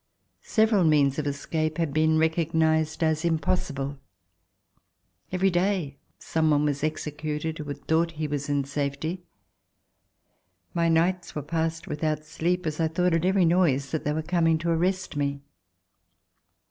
Several means of escape had been recognized as impossible. Every day some one was executed who had thought he was in safety. My nights were passed without sleep, as I thought at every noise that they were coming to arrest me.